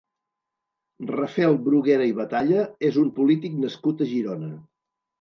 Rafel Bruguera i Batalla és un polític nascut a Girona.